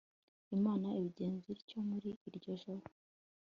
imana ibigenza ityo muri iryo joro